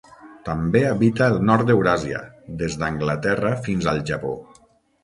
També habita el nord d'Euràsia, des d'Anglaterra fins al Japó.